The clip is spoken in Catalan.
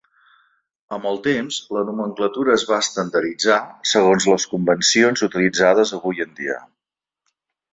Amb el temps, la nomenclatura es va estandarditzar segons les convencions utilitzades avui en dia.